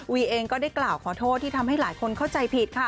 เองก็ได้กล่าวขอโทษที่ทำให้หลายคนเข้าใจผิดค่ะ